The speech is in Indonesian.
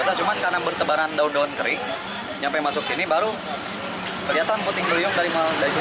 semua tanda tanda muncul angin gitu